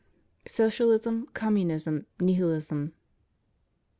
SOCIALISM, COMMUNISM, NIHILISM.